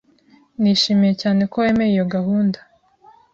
Nishimiye cyane ko wemeye iyo gahunda.